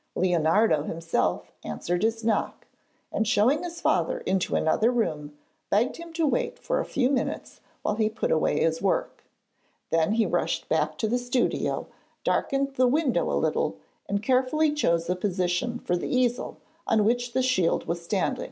Leonardo himself answered his knock, and, showing his father into another room, begged him to wait for a few minutes while he put away his work. Then he rushed back to the studio, darkened the window a little, and carefully chose a position for the easel on which the shield was standing.